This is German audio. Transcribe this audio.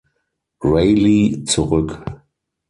Rayleigh zurück.